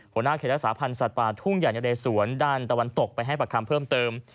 หัวหน้าเขตรักษาพันธ์สัตว์ป่าทุ่งใหญ่นะเรสวนด้านตะวันตกไปให้ประคำเพิ่มเติม